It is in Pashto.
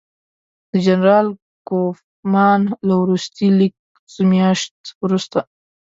د جنرال کوفمان له وروستي لیک څه میاشت وروسته.